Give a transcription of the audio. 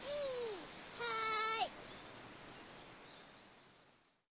はい！